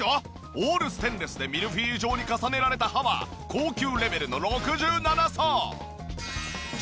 オールステンレスでミルフィーユ状に重ねられた刃は高級レベルの６７層！